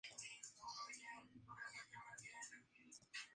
Concretamente en esta zona se rodó la batalla del puente Langston.